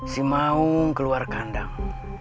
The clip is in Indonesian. si maung keluar kandang